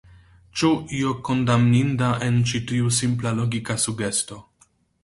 Ĉu io kondamninda en ĉi tiu simpla logika sugesto?